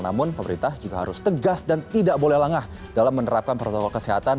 namun pemerintah juga harus tegas dan tidak boleh lengah dalam menerapkan protokol kesehatan